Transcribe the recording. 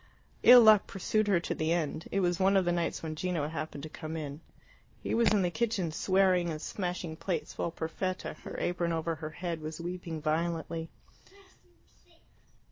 Ill luck pursued her to the end. It was one of the nights when Gino happened to come in. He was in the kitchen, swearing and smashing plates, while Perfetta, her apron over her head, was weeping violently.